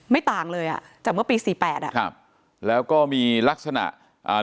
ต่างเลยอ่ะจากเมื่อปีสี่แปดอ่ะครับแล้วก็มีลักษณะอ่า